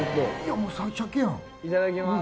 ・もう鮭やん・いただきます。